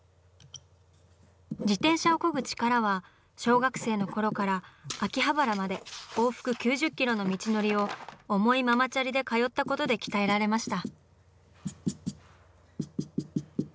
自転車をこぐ力は小学生の頃から秋葉原まで往復９０キロの道のりを重いママチャリで通ったことで鍛えられました。